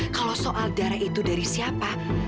kalau soal darah itu dari siapa